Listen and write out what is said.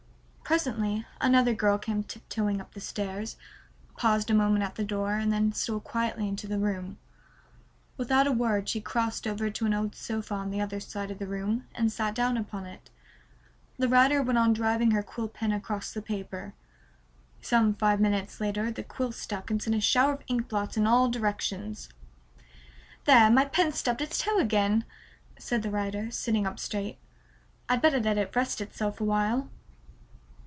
Presently another girl came tiptoeing up the stairs, paused a moment at the door, and then stole quietly into the room. Without a word she crossed over to an old sofa on the other side of the room, and sat down upon it. The writer went on driving her quill pen across the paper. Some five minutes later the quill stuck and sent a shower of ink blots in all directions. "There, my pen's stubbed its toe again," said the writer, sitting up straight. "I'd better let it rest itself a while."